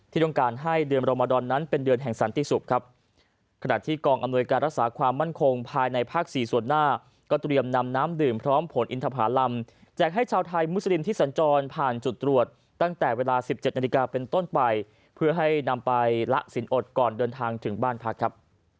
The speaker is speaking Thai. ต้องการให้เดือนรมดอนนั้นเป็นเดือนแห่งสันติสุขครับขณะที่กองอำนวยการรักษาความมั่นคงภายในภาค๔ส่วนหน้าก็เตรียมนำน้ำดื่มพร้อมผลอินทภาลำแจกให้ชาวไทยมุสลิมที่สัญจรผ่านจุดตรวจตั้งแต่เวลา๑๗นาฬิกาเป็นต้นไปเพื่อให้นำไปละสินอดก่อนเดินทางถึงบ้านพักครับ